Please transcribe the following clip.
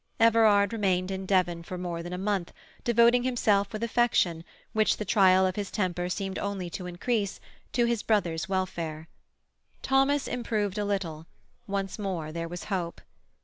Everard remained in Devon for more than a month, devoting himself with affection, which the trial of his temper seemed only to increase, to his brother's welfare. Thomas improved a little; once more there was hope.